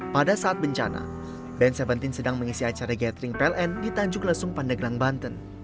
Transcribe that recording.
pada saat bencana band tujuh belas sedang mengisi acara gathering pln di tanjung lesung pandeglang banten